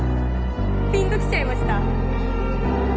ピンと来ちゃいました？